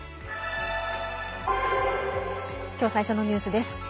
今日最初のニュースです。